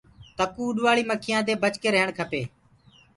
تڪوُ رهيڻ کپي اُڏوآݪي مکيآنٚ دي بچي رهيڻ کپي۔